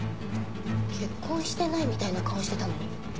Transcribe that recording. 結婚してないみたいな顔してたのに。